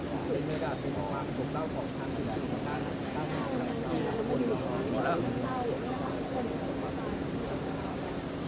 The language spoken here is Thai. สิ่งแม่การที่ขอบคุณเต้าของทางสินค้าของทางถ้าไม่สัยอยากพูดหมดแล้ว